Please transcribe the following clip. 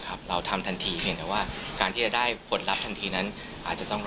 เราทำทันทีเพียงแต่ว่าการที่จะได้ผลลัพธ์ทันทีนั้นอาจจะต้อง